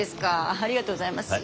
ありがとうございます。